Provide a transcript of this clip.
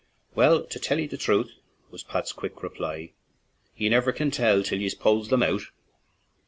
" Well, to tell ye the truth/' was Pat's quick reply, "ye niver can tell till yez pulls 'em out!"